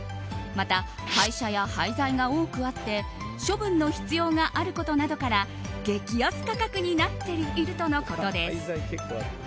また、廃車や廃材が多くあって処分の必要があることなどから激安価格になっているとのことです。